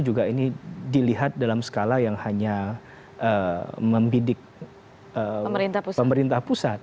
juga ini dilihat dalam skala yang hanya membidik pemerintah pusat